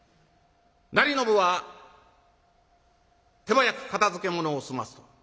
成信は手早く片づけものを済ます。